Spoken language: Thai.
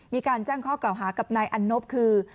มีการแจ้งข้อกล่าวหากับนายอันนบคือ